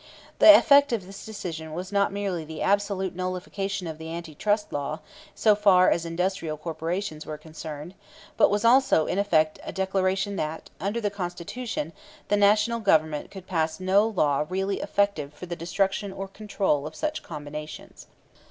The effect of this decision was not merely the absolute nullification of the Anti Trust Law, so far as industrial corporations were concerned, but was also in effect a declaration that, under the Constitution, the National Government could pass no law really effective for the destruction or control of such combinations.